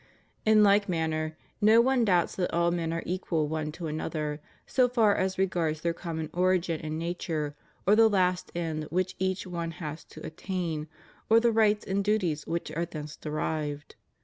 In like manner, no one doubts that all men are equal one to another, so far as regards their common origin and nature, or the last end which each one has to attain, or the rights and duties which are thence derived.